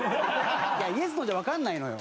いやイエスノーじゃわかんないのよ。